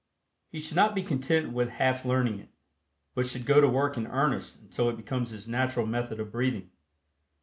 He should not be content with half learning it, but should go to work in earnest until it becomes his natural method of breathing.